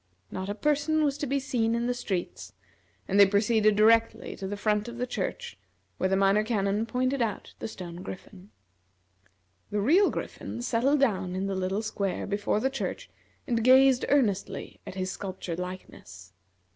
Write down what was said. Not a person was to be seen in the streets, and they proceeded directly to the front of the church, where the Minor Canon pointed out the stone griffin. The real Griffin settled down in the little square before the church and gazed earnestly at his sculptured likeness.